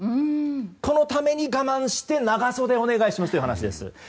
このために我慢して長袖をお願いしますという話です。